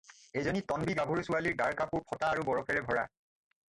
এজনী তন্বী গাভৰু ছোৱালী গাৰ কাপোৰ ফটা আৰু বৰফে ভৰা।